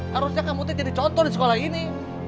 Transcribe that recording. harusnya kamu tuh jadi contoh di sekolah ini